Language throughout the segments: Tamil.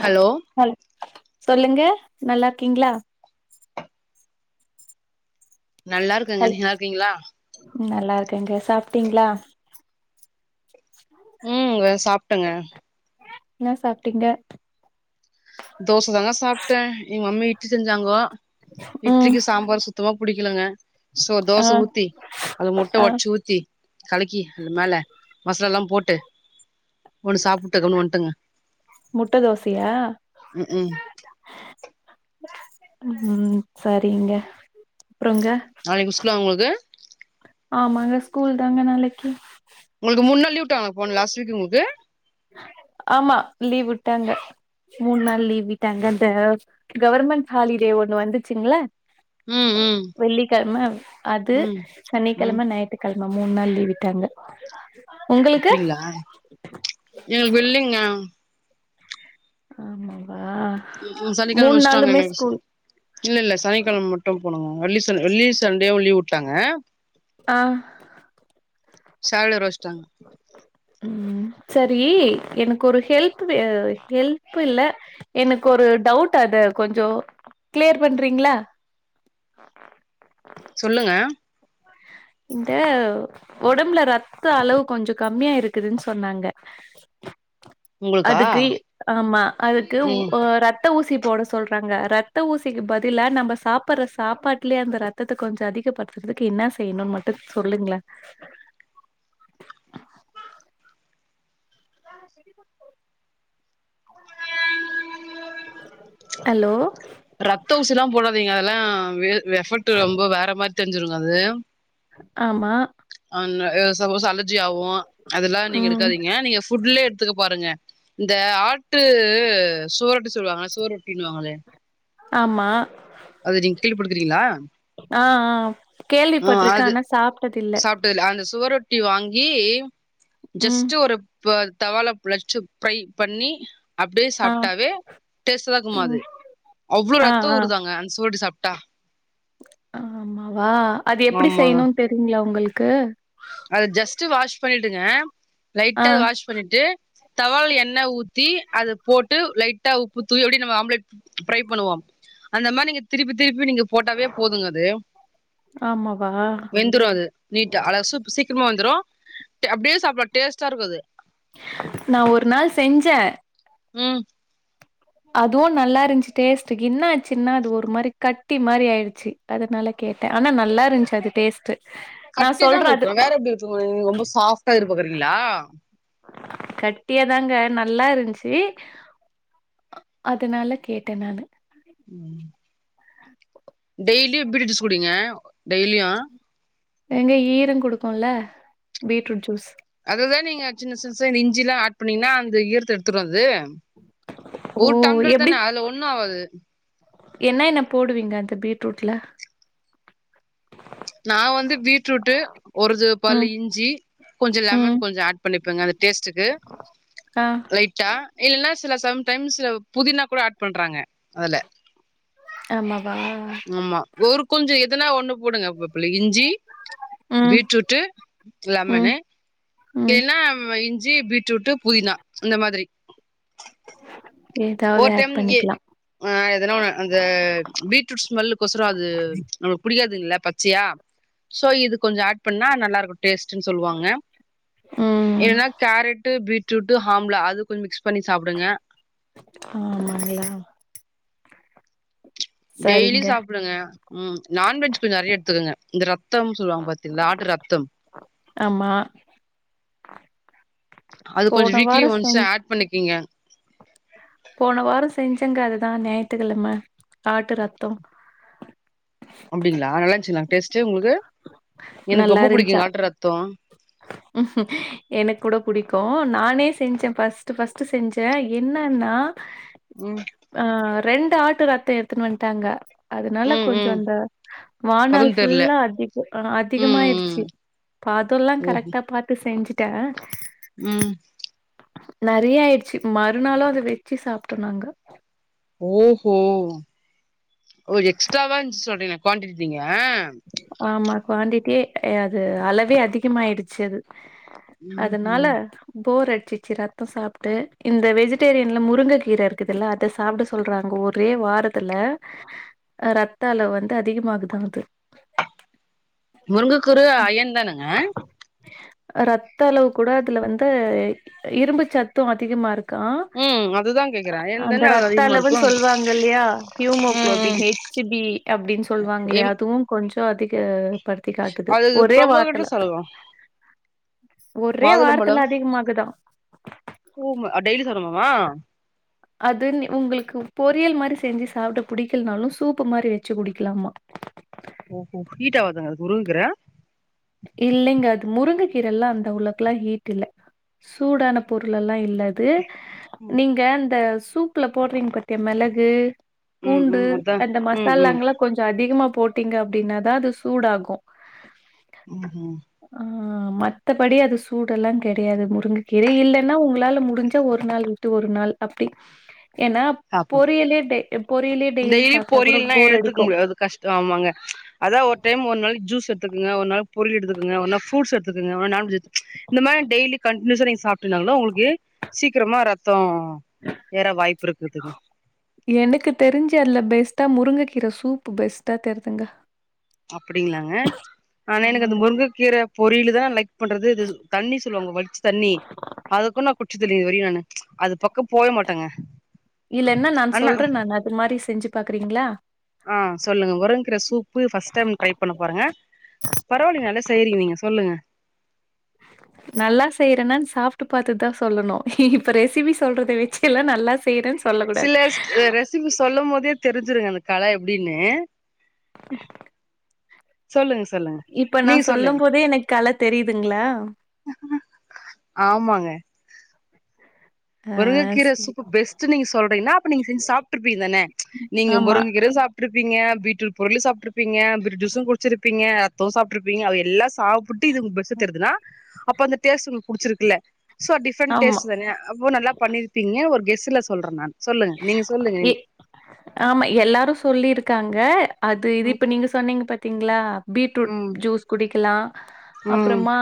ஹலோ ஹ சொல்லுங்க நல்லா இருக்கீங்களா நல்லா இருக்கங்க நீ நல்லா இருக்கீங்களா நல்லாருக்கங்க சாப்ட்டிங்ளா [inaudible] இப்பதா சாப்ட்டங்க என்ன சாப்ட்டிங்க தோச தாங்க சாப்ட்ட எங்க மம்மி இட்லி செஞ்சாங்கோ ம் இட்லிக்கு சாம்பார் சுத் த்தமா புடிக்கலங்க சோ ஆ தோச ஊத்தி அதுவ முட்ட ஆ ஒடச்சி ஊத்தி கலக்கி அது மேலே மசாலல்லா போட்டு ஒன்னு சாப்ட்டு கம்னு வன்டங்க முட்ட தோசையா ம்ஹூம் ம் சரிங்க அப்றொங்க நாளைக் மிஸ்லா அவுங்ளுக்கு ஆமாங்க ஸ்கூல் தாங்க நாளைக்கி உங்களுக்கு மூண் நாள் லீவ் உட்டாங்ளா போன லாஸ்ட் வீக் உங்களுக்கு ஆமா லீவ் விட்டாங்க மூண் நாள் லீவ் விட்டாங்க அந்த கவர்மெண்ட் ஹாலிடே ஒண்ணு வந்துச்சுள ம் ம் வெள்ளிக்கெழம அது ம் ம் சனிக்கெழம ஞாய் ற்று கெழம மூண் நாள் லீவ் விட்டாங்க ம் அப்டிங்ளா எங்களுக்கு இல்லேங்க ஆமாவா ஊ சனிக்கெழம மூணு வச்ட்டாங்க நாளுமே எங்களுக் ஸ்கூல் இல்லல்ல சனிக்கெழம மட்டு போனூ வெள்ளி சன் வெள்ளியு சண்டேவு லீவுட்டாங்க ஆ சேலர் வச்ட்டாங்க உம் சரீ எனக்கு ஒரு ஹெல்ப் வே ஹெல்ப்பில்ல எனக்கு ஒரு டவுட் அத கொஞ்சோ க்ளியர் பண்றிங்ளா சொல்லுங்க இந்த ஒடம்ப்ல ரத்த அளவு கொஞ்சோ கம்மியா இருக்குதுன் சொன்னாங்க உங்களுக்கா அதுக்கு ஆமா அதுக்கு வு ம் அ ரத்த ரத்த ஊசி போட சொல்றாங்க ரத்த ஊசிக்கு பதிலா நம்ம சாப்ட்ற சாப்பாட்லயே அந்த ரத் ரத்தத்த கொஞ்சோ அதிகப்படுத்றதுக்கு என்னா செய்யணும் மட்டு சொல்லுங்க [inaudible] ஹலோ ரத்த ஊசிலா போடாதிங்க அதுலா வெ எஃபெக்ட்டு ரொம்ப வேற மாரி தெரிஞ்சிருங்க அது ஆமா ஆன்ன ஏ சப்போஸ் அலர்ஜி ஆவூ அதெல்லா நீங்க ம் எடுக்காதிங்க நீங்க ஃபுட்லே எடுத்துக்க பாருங்க இந்த ஆட்டூ சுவரொட்டி சொல்லுவாங்க சுவரொட்டின்னுவாங்களே ஆமா அது நீங் கீழப்படுக்றீங்ளா ஆ ஆ கேள்விப்பட்ருக்கே ஆனா சாப்ட்டதில்ல டதில அந்த சுவரொட்டி வாங்கீ ம் ஜஸ்ட்டு ஒரு இப்ப அந்த் தவால ப்ழச்சு ஃப்ரை பண்ணி அப்டியே ஆ சாப்ட்டாவே டேஸ்டுதாக்குமா ம் அது அவ்ளோ ஆ, ரத்த ஆ. ஊருதாங்க அந்த சுவரொட்டி சாப்ட்டா ஆமாவா அது எப்டி செய்யணுன் தெரியுங்ளா உங்களுக்கு அது ஜஸ்ட்டு வாஷ் பண்ணிடுங்க ஆ, லைட்டா வாஷ் பண்ணிட்டு தவால எண்ணெ ஊத்தீ அத போட்டு லைட்டா உப்பு தூவி அப்டி நம்ம ஆம்ப்லேட் ஃப்ரை பண்ணுவோ அந்த மாரி நீங்க திருப்பி திருப்பி நீங்க போட்டாவே போதுங்க அது ஆமாவா வெந்துரு அது நீட்டா அழ சூப்பு சீக்ரமா வெந்துரூ டு அப்டியே சாப்டலா டேஸ்ட்டா இருக்கு அது நா ஒரு நாள் செஞ்சே உம் அதுவு நல்லா இருந்ச்சு டேஸ்டுக் என்னாச்சின்னா அது ஒரு மாரி கட்டி மாரி ஆயிருச்சி அதனால கேட்டே ஆனா நல்லா இருந்ச்சு அது டேஸ்ட்டு நான் கட்டிதாங்க சொல்றேன் அது இருக்கு வேற எப்டி இருக்கு போது நீங் ரொம்ப சாஃப்ட்டா இருக்கப்போறிங்களா கட்டியாதாங்க நல்லா இருந்ச்சு அதனால கேட்டே நான் உம் டெய்லியு பீட்ரூட் ஜூஸ் குடிங்க டெய்லியு எங்க ஈர கொடுக்குல்ல பீட்ரூட் ஜூஸ் அதுதா நீங்க சின்ன சின்ன ச இந்த இஞ்சி எல்லா ஆட் பண்ணீங்கன்னா அந்த ஈரத்தை எடுத்துரும்து ஓ! ஒரு தம்பளர் எப்படி தான அதுல ஒண்ணு ஆகாது என்ன என்ன போடுவீங்க அந்த பீட்ரூட்ல நா வந்து பீட்ரூட் ஒருது ப்பல ம், இஞ்சி கொஞ்ச ம். லெமன் கொஞ்ச ஆட் பண்ணிப்பங்க அந்த டேஸ்டுக்கு ஆ, லைட்டா இல்லன்னா சில சம் டைம்ஸ் புதினா கூட ஆட் பண்றாங்க அதுல ஆமாவா ஆமா ஒரு கொஞ்ச எதனா ஒண்ணு போடுங்கப்பள்ள இஞ்சி ம், பீட்ரூட்டு் ம், லமன்னு ம். இல்லன்னா இஞ்சி பீட்ரூட் புதினா இந்த மாதிரி [unintelligible] ஒரு ஆட் டைம் இ பண்ணிக்கலா அ எதனா ஒண்ணு அந்த பீட்ரூட் ஸ்மெல்லுக்குசர அது நம்மளுக்கு புடிக்காதுல்ல பச்சையா சோ இது கொஞ்ச ஆட் பண்ணா நல்லா இருக்கும் டெஸ்ட்ன்னு சொல்லுவாங்க ம் என்னன்னா கேரட்டு பீட்ரூட் ஆஹம்லா அதுக்கு கொஞ்ச மிக்ஸ் பண்ணி சாப்புடுங்க ஆமாங்களா டெய்லி சரிங்க சாப்புடுங்க உம் நான்வெஜ் கொஞ்ச நெறைய எத்துக்கங்க இந்த ரத்தம்னு சொல்லுவாங்க பாத்தீங்களா ஆட்டு ரத்தம் ஆமா அது கொஞ்ச போன வீக்லி வாரோ ஒன்ஸ் செஞ் ஆட் பண்ணிக்கீங்க போன வார செஞ்சங்க அதுதா ஞாயிற்த்துக்கிழம ஆட்டு ரத்தம் அப்டிங்களா நல்லா இருச்சுங்கலா டேஸ்ட் உங்களுக்கு எனக்கு ரொம்ப பிடிக்குங்க ஆர்டர் ரத்த உ எனக்கு கூட பிடிக்கு நானே செஞ்ச ஃபர்ஸ்ட் ஃபர்ஸ்ட் செஞ்ச என்னன்னா ம் ஆஹ் ரெண்டு ஆட்டு ரத்தம் எடுத்துன்னு வந்துட்டாங்க அதனால ம் கொஞ்ச ம் அந்த வாானாள் பதம் தெர்ல ஃபுல்லா அதிக அஹ் ம் ம் அதிகமாயடுச்சு பாதல்லாங் ஓஹோ பாத்து செஞ்சுட்ட ம் நெறயா ஆயிடுச்சு மறுநாளும் அத வெச்சு சாப்புட்டோ நாங்க ஓஹோ ஒ எக்ஸ்ட்ராவா இருந்துச்சு சொல்றீங்க குவாண்டடி தீங்க ஆமா குவாடிட்டியே அது அளவே அதிகமாயிடுச்சு அது அதனால ம்ஹும் போர் அடிச்சிச்சீ ரத்த சாப்புட்டு இந்த வெஜிடேரியன்ல முருங்க கீர இருக்குதுல்ல அத சாப்புட சொல்றாங்க ஒரே வாரத்துல ரத்த அளவு வந்து அதிகமாகுதா அது முருங்கக்குரு அஐயன் தானங்க ரத்த அளவு கூட அதுல வந்து இரும்பு சத்து அதிகமா இருக்கு ம் அதுதா கேக்குறே அயன் அந்த தான அது ரத்த அதிகமா இருக்கு அளவுன்னு சொல்லுவாங்க இல்லயா ம் ஹியூமோகுளோபின் ம் ஹெச் பி அப்டின்னு சொல்லுவாங்க இல்லயா எம் அதுவு கொஞ்ச அதிக படுத்தி காட்டுது அதுக்கு ஒரே வார்த்தல ப்ரமோகட்னு சொல்லலா ஒரே வாரத்துல அதிகமாகுதா ஹோம்மு ஆ டெய்லி செய்றமேமா அது நீ உங்ளுக்கு பொரியல் மாரி செஞ்சு சாப்ட புடிக்கலனாலு சூப்பு மாரி வச்சு குடிக்கலாமா ஓ ஹோ ஹீட்டாவாதாங்க அது முருங் கீர இல்லைங்க அது முருங்க கீரல்லா அந்த அவ்ளக்ல்லா ஹீட் இல்ல சூடான பொருள் எல்லா இல்ல அது நீங்க அந்த சூப்ல போட்றீங்க பாத்தியா மெளகு ம் பூண்டு ம் அதா அந்த ம் ம் மசாலாங்ளா கொஞ்சோ அதிகமா போட்டீங்க அப்டின்னாதா அது சூடாகு ம் ஹும் ஆ மத்தபடி அது சூடெல்லா கெடயாது முருங்க கீர இல்லன்னா உங்ளால முடிஞ்சா ஒர் நாள் ட்டு ஒரு நாள் அப்டி ஏனா சாப்புட்ணு பொரியலே டெ எ பொரியலே டெய்லி சாப்டா கூட பொரியல்னா போர் எடுத்துக்க அடிக்கு முடியாது கஷ்டோ ஆமாங்க அதா ஒர்டைம் ஒர் நாளைக்கி ஜூஸ் எட்த்துக்கங்க ஒர் நாள் பொரியல் எட்த்துக்கங்க ஒர் நாள் ஃப்ரூட்ஸ் எட்த்துக்கங்க ஒர் நாள் நான் வெஜ் எட்த்து இந்த மார்லா டெய்லி கன்டினியூசா நீங்க சாப் ட்டுனாங்ளோ ஒங்களுக்கு சீக்ரமா ரத்தோ ஏற வாய்ப்பிருக்குதுங்க எனக்கு தெரிஞ்சு அதுல பெஸ்ட்டா முருங்கக்கீர சூப்பு பெஸ்ட்டா தெர்துங்க அப்டிங்ளாங்க ஆனா எனக்கு ஆமாங்க. அந்த முருங்கக்கீர பொரிய்லு தா லைக் பண்றது இது சு தண்ணி சொல்லுவாங்க வட்ச்ச தண்ணி அதுக்கோ நா குச்சதில்ல இதுவரையு நானு அது பக் இல்லனா நான் ஆனா சொல்றே நானுஅது மாரி செஞ்சு பாக்குறீங்ளா ஆ சொல்லுங்க முருங்க்கீர சூப்பு ஃபர்ஸ்ட் டைம் ட்ரை பண்ண போறே பரவால்ல நீங்க நல்லா செய்றீங்க நீங்க சொல்லுங்க நல்லா செய்றனான்னு சாப்ட்டு பாத்துதா சொல்லணு இப்ப ரெசிபி சொல்றத வச்சில்லா நல்லா செய்றேன்னு சொல்லக்கூடாது. சில ரெசிபி சொல்லும்போதே தெரிஞ்சிருங்க அந்த கல எப்டின்னு சொல்லுங்க சொல்லுங்க இப்ப நா நீங்க சொல்லுங்க சொல்லும்போதே எனக்கு கல தெரிதுங்ளா ஆமாங்க ஆ முருங்கக்கீர ஸ் சூப்பு பெஸ்ட்டு நீங்க சொல்றீங்ன்னா அப்ப நீங்க செஞ்சு சாப்ட்ருப்பீங்க தான நீங்க ஆமா, முருங்கக்கீர சாப் ட்ருப்பீங்க பீட்ரூட் பொர்லு சாப்ட்ருப்பீங்க பீட்ரூஜூஸு குடிச்சிருப்பீங்க ரத்தோ சாப்ட்ருப்பீங்க அது எல்லா சாப் புட்டு இது உங் பெஸ்ட் டா ம். தெர்துனா அப்ப அந்த டேஸ்ட் ஒங்ளுக்கு புடிச்சிருக்குல ஸோ டிப்ரெண்ட் ஆமா. டேஸ்ட்டு தான அப்போ நல்லா பண்ணிருப்பீங்க ஒரு கெஸ்ஸுல சொல்றன் நானு சொல்லுங்க நீங்க சொல்லுங்க எ ஆமா எல்லாரு சொல்லிருக்காங்க அது இது ம் இப்ப நீங்க சொன்னீங்க பாத்தீங்ளா பீட்ரூட் ம் ஜூஸ் குடிக்லா ம் அப்றமா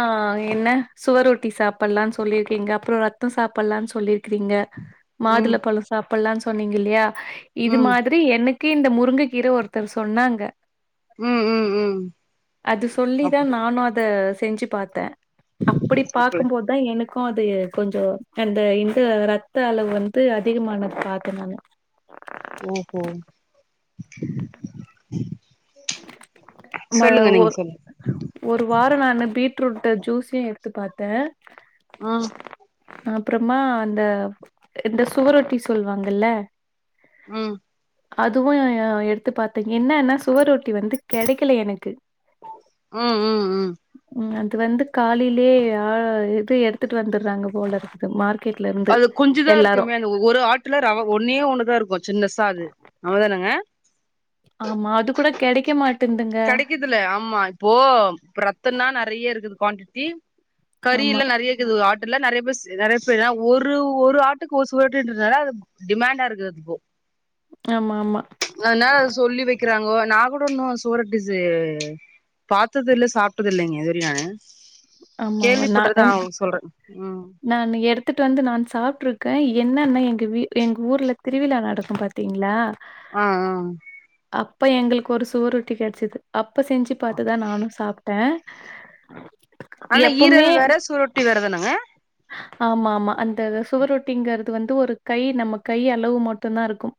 என்ன சுவரொட்டி சாப்பலான் சொல்லியிருக்கீங்க அப்றோ ரத்தோ சாப்பலான் சொல்லிருக்கீங்க மாதுள ம் பழோ சாப்புலான் சொன்னீங்க இல்லயா இது ம் மாத்ரி எனக்கு இந்த முருங்க கீர ஒர்த்தர் சொன்னாங்க ம் ம் ம் அது சொல்லிதா அப்ப நானு அத செஞ்சு பாத்தே அப்படி அப்ப பாக்கும்போதா என க்கு அது கொஞ்சோ அந்த இந்த ரத்தளவு வந்து அதிகமானது பாத்தே நானு ஓஹோ ம சொல்லுங்க ஒரு நீங்க சொல்லுங்க ஒரு வாரோ நானு பீட்ரூட்டு ஜூஸயு எடுத்து பாத்தே ம் அப்றமா அந்த இந்த சுவரொட்டி சொல்வாங்கல்ல ம் அதுவு எடுத்து பாத்தே என்னன்னா சுவரொட்டி வந்து கெடைக்கல எனக்கு ம் ம் ம் ம் அது வந்து காலைலலே ஆ இது எடுத்துட்டு வந்துடுறாங்க போலருக்கு இது மார்க்கெட்ல இருந்து எல்லாரு ஒவ்வொரு ஆட்ல ரவ ஒன்னே ஒண்ணு தாருக்கு சின்னசாது அவ்ளோதானங்க ஆமா அது கூட கெடக்கே மாட்டுதுங்க இதுல ஆமா இப்போ ரத்தோனா நெறைய இருக்குது குவான்டிட்டி ஆமா கறில நெறைய இது ஒரு ஆட்டுல நெறைய பேரு நெறைய பேரு ஒரு ஒரு ஆட்டுக்கு ஒரு சுவரொட்டின்றனால டிமாண்ட் ஆ இருக்குது ப்போ ஆமா ஆமா அதுனால அத சொல்லி வெக்கிறாங்கோ நா கூட ன்னும் துரட்டி சே பாத்ததில்ல சாப்பிட்டதில்லேங்க இதுவர ‌நானு ஆமா நா கேள்விப்பட்டதுதாவ் உனக்கு சொல்றே ஆ நான் அன்ன எடுத்துட்டு வந்து நா சாப்பிட்டுருக்கே என்னன்னா எங்க வீட் எங்க ஊர்ல திருவிழா நடக்கும் பாரு த்தீங்களா ஆ ஆ அப்ப எங்களுக்கு ஒரு சுவரொட்டி கெடச்சிது அப்ப செஞ்சு பாத்துதான் நானும் சாப்ட்டேன் அஹ ஆனா ஈரல் வேற சுவரொட்டி வேறதாணுங்க ஆமா ஆமா அந்த சுவரொட்டிங்கிறது வந்து ஒரு கை நம்ம கை அளவு மட்டுதான் ருக்கும்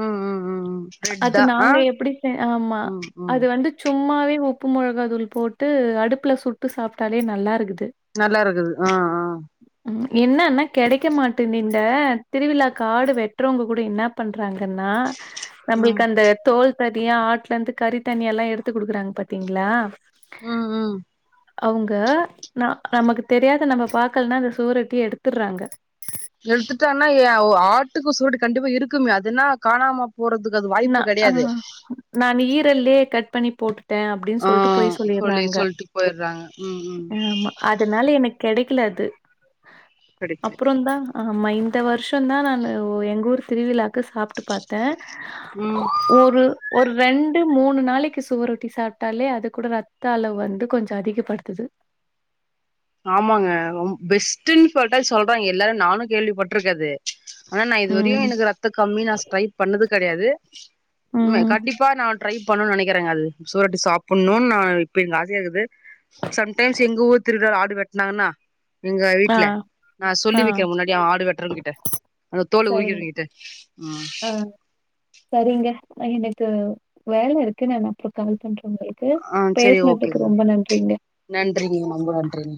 ம் ம் ம் அது ரெட்டா ஆ நாங்க எப்டி செய்‌ ஆமா ம் ம் அது வந்து சும்மாவே உப்பு மொளகா தூள் போட்டு அடுப்ல சுட்டு சாப்ட்டாலே நல்லாருக்குது நல்லாருக்குது ஆ ஆ ம் என்னன்னா கெடக்க மாட்டின்னின்ட திருவிழாக்கு ஆடு வெட்‌றவங்க கூட என்ன பண்றாங்கன்னா ம் நம்ளுக்கு அந்த தோல் தனியா ஆட்லருந்து கறித்தனியா‌ எல்லாம் எடுத்து குடுக்குறாங்க பாத்தீங்களா ம் ம் அவ்ங்க ந நமக்கு தெரியாத நம்ம பாக்கலனா அந்த சுவரொட்டிய எடுத்துர்றாங்க எடுத்துட்டானா ஏ ஓ ஆட்டுக்கு சூருட்டி கண்டிப்பா இருக்குமே அதுனா காணாம போறதுக் நா ஆ நான் ஈரல்லயே கட் பண்ணி போட்டுட்டே அப்டின்னு சொல்ட்டு பொய் சொல்லிர்றாங்க போயிர்டுறாங்க உம் உம் அதனால எனக்கு கெடக்கல அது கெடைக்கல அப்றோதா ஆமா இந்த வருஷோந்தா நானு ஓ எங்கூர் திருவிழாக்கு சாப்ட்டு பாத்தேன் உம் ஒரு ஒரு ரெண்டு மூணு நாளைக்கு சுவரொட்டி சாப்ட்டாலே அது கூட ரத்த அளவு வந்து கொஞ்சோ அதிக படுத்துது ஆமாங்க ரொம் பெஸ்ட்டுன்னு சொல்லிட்டா சொல்றே எல்லாரு நானு கேள்விப்பட்டிருக்கேது ஆனா நா இதுவரையும் ம். எனக்கு ரத்த கம்மி நான் ஸ்ட்ரைக் பண்ணது கெடையாது ம். கண்டிப்பா நான் ட்ரை பண்ணுன்னனு நினைக்கிறேங்க அது சூரொட்டி சாப்பிடணும்னு நான் இப்ப இங்க ஆசையாக்குது சம்டைம்ஸ் எங்க ஊர் திருவிழால ஆடு வெட்னாங்கன்னா எங்க ஆ. வீட்ல நா சொல்லி ஆ. வெக்கிறே முன்னாடியே ஆடு வெட்டுறவன்கிட்ட அந்த தோல சரிங்க. உரிக்கிறவங்கிட்ட ஆ சரிங்க எனக்கு வேல இருக்கு நா அப்றோ‌ கால் பண்றேங்க ஆ சரி ஓகேங்க பேசுனதுக்கு ரொம்ப நன்றிங்க நன்றிங்க ரொம்ப நன்றிங்க